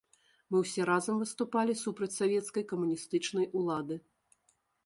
Мы ўсе разам выступалі супраць савецкай камуністычнай улады.